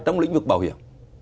trong lĩnh vực bảo hiểm